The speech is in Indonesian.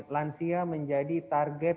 lansia menjadi target